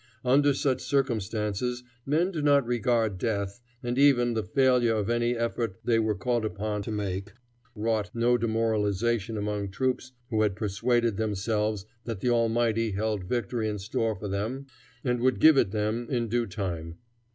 Under such circumstances men do not regard death, and even the failure of any effort they were called upon to make wrought no demoralization among troops who had persuaded themselves that the Almighty held victory in store for them, and would give it them in due time.